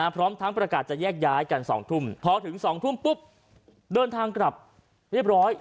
พร้อมทั้งประกาศจะแยกย้ายกัน๒ทุ่มพอถึง๒ทุ่มปุ๊บเดินทางกลับเรียบร้อย